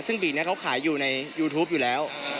ซึ่งบีเขาขายอยู่ในยูทูปอยู่แล้ว